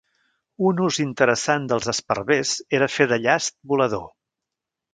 Un ús interessant dels esparvers era fer de "llast volador".